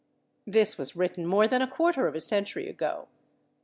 " This was written more than a quarter of a century ago.